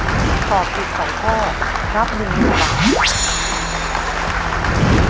ถ้าตอบถูก๒ข้อรับเงิน๑บาท